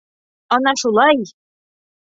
Ана шулай!